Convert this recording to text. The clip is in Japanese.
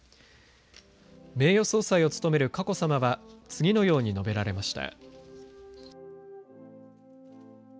名誉総裁を務める佳子さまは次のように述べられました。